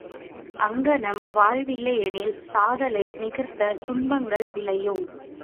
அங்ஙணம் வாழவில்லையெனில் சாதலை நிகர்த்த துன்பங்கள் விளையும்!